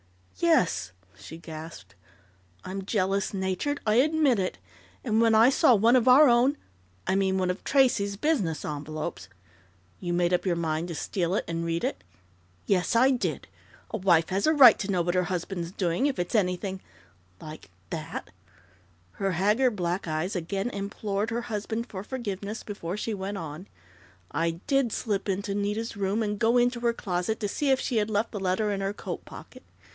"Yes!" She gasped. "I'm jealous natured. I admit it, and when I saw one of our own I mean, one of Tracey's business envelopes " "You made up your mind to steal it and read it?" "Yes, I did! A wife has a right to know what her husband's doing, if it's anything like that " Her haggard black eyes again implored her husband for forgiveness, before she went on: "I did slip into Nita's room and go into her closet to see if she had left the letter in her coat pocket.